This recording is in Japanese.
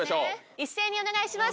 一斉にお願いします。